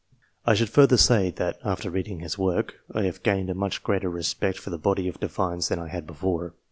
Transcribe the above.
I should further say, that, after reading his work, I have gained a much greater respect for the body of Divines than I had before.